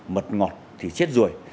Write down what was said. mật ngọt thì chết rồi